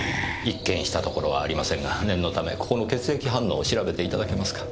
一見したところはありませんが念のためここの血液反応を調べて頂けますか？